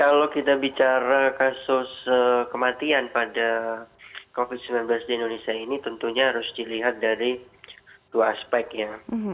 jadi kalau kita bicara kasus kematian pada covid sembilan belas di indonesia ini tentunya harus dilihat dari dua aspek ya